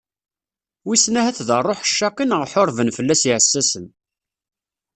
Wisen ahat d ṛṛuḥ ccaqi neɣ ḥurben fell-as yiɛessasen.